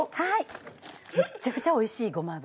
むっちゃくちゃおいしいごま油。